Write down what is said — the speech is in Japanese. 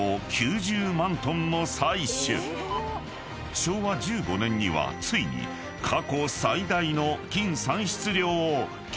［昭和１５年にはついに過去最大の金産出量を記録したのだ］